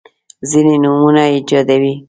ځیني نومونه ایجادوي.